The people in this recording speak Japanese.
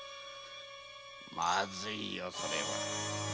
まずいよそれは。